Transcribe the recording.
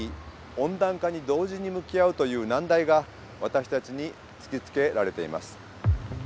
温暖化に同時に向き合うという難題が私たちに突きつけられています。